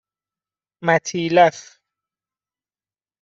متیلف